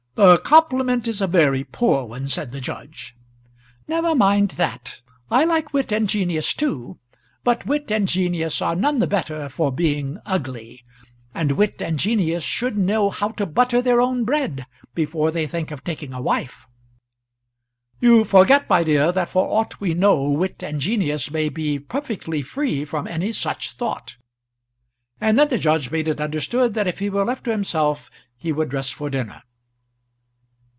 "The compliment is a very poor one," said the judge. "Never mind that. I like wit and genius too; but wit and genius are none the better for being ugly; and wit and genius should know how to butter their own bread before they think of taking a wife." "You forget, my dear, that for aught we know wit and genius may be perfectly free from any such thought." And then the judge made it understood that if he were left to himself he would dress for dinner.